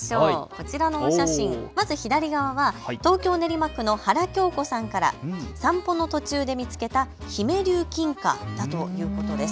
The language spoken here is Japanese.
こちらのお写真、まず左側は東京練馬区の原京子さんから散歩の途中で見つけたヒメリュウキンカだということです。